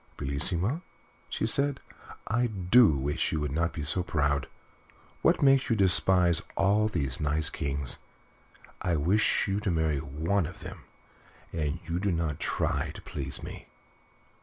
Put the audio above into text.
"Bellissima," she said, "I do wish you would not be so proud. What makes you despise all these nice kings? I wish you to marry one of them, and you do not try to please me."